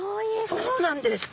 そうなんです。